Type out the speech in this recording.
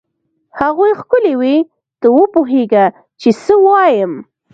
هغوی ښکلې وې؟ ته وپوهېږه چې څه وایم.